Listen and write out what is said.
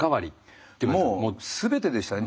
もう全てでしたね。